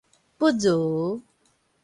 不如